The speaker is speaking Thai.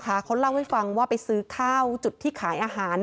เขาเล่าให้ฟังว่าไปซื้อข้าวจุดที่ขายอาหาร